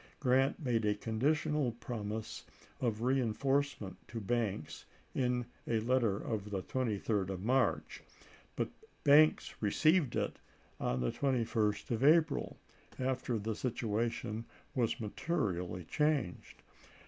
Grant made a conditional promise of reinforcements to Banks in a letter of the 23d 1863. of March; bnt Banks received it on the 21st of April, after the situation was materially changed.